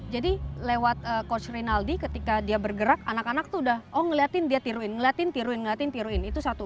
jadi lewat coach rinaldi ketika dia bergerak anak anak tuh udah oh ngeliatin dia tiruin ngeliatin tiruin ngeliatin tiruin itu satu